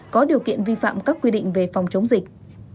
có điều kiện vi phạm các quy định về phòng chống dịch